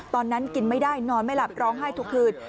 ตอนนั้นกินไม่ได้นอนไม่หลับร้องไห้ทุกคืน